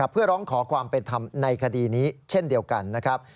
เพื่อร้องขอความเป็นธรรมในคดีนี้เช่นเดียวกันนะครับ